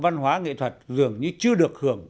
văn hóa nghệ thuật dường như chưa được hưởng